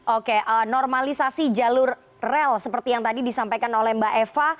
oke normalisasi jalur rel seperti yang tadi disampaikan oleh mbak eva